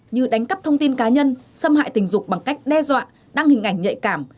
như đánh cắp thông tin cá nhân xâm hại tình dục bằng cách đe dọa đăng hình ảnh nhạy cảm